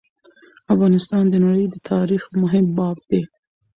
افغانستان د نړی د تاریخ مهم باب دی.